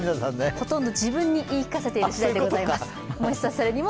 ほとんど自分に言い聞かせている次第でございます。